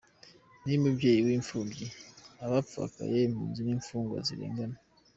Ni yo mubyeyi w’imfubyi, abapfakaye, impunzi, n’imfungwa zirengana.